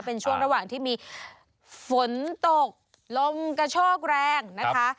เป็นช่วงระหว่างที่มีฝนตกลมกระโชกแรงนะคะ